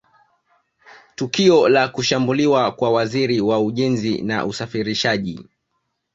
Tukio la kushambuliwa kwa Waziri wa Ujenzi na Usafirishaji